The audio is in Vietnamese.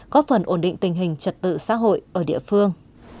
có phần ổn định tình hình trật tự xã hội ở địa phương